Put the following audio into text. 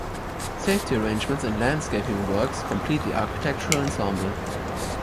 Safety arrangements and landscaping works complete the architectural ensemble.